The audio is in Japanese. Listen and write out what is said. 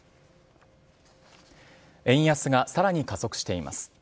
円安がさらに加速しています。